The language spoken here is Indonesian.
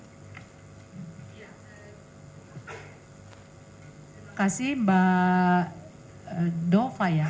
terima kasih mbak dova ya